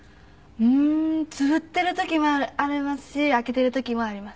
うーんつぶっている時もありますし開けている時もあります。